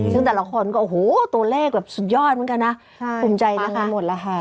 ซึ่งแต่ละคนก็โอ้โหตัวเลขแบบสุดยอดเหมือนกันนะภูมิใจนะคะหมดแล้วค่ะ